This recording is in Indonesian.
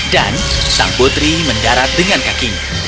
dan sang putri mendarat dengan kakinya